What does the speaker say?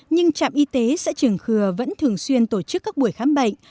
nhưng trạm y tế xã trường khừa vẫn thường xuyên tổ chức các buổi khám bệnh